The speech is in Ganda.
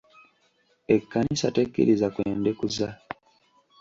Ekkanisa tekkiriza kwendekuza.